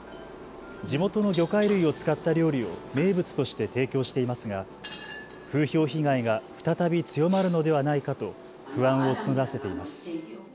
地元の魚介類を使った料理を名物として提供していますが風評被害が再び強まるのではないかと不安を募らせています。